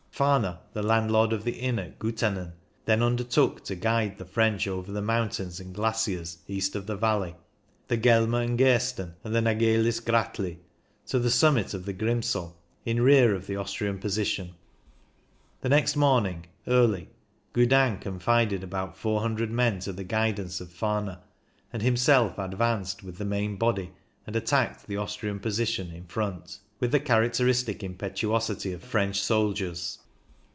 Fahner, the landlord of the inn at Guttan nen, then undertook to guide the French over the mountains and glaciers east of 138 CYCLING IN THE ALPS the valley — the Gelmer and Gersten and the Nagelis Gratii — to the summit of the Grimsel in rear of the Austrian position. The next morning, early, Gudin confided about 400 men to the guidance of Fahner, and himself advanced with the main body and attacked the Austrian position in front — with the characteristic impetuosity of French soldiers.